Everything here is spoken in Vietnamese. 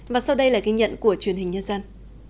và sau đây là ghi nhận của truyền hình nhân dân